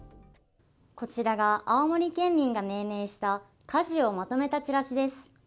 こちらが青森県民が命名した家事をまとめたチラシです。